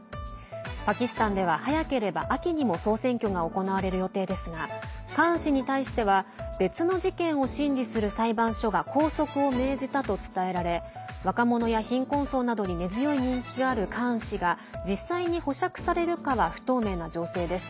パキスタンでは、早ければ秋にも総選挙が行われる予定ですがカーン氏に対しては別の事件を審理する裁判所が拘束を命じたと伝えられ若者や貧困層などに根強い人気があるカーン氏が実際に保釈されるかは不透明な情勢です。